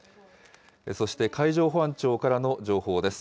そして海上保安庁からの情報です。